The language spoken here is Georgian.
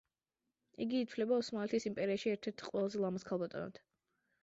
იგი ითვლება ოსმალეთის იმპერიაში ერთ-ერთ ყველაზე ლამაზ ქალბატონად.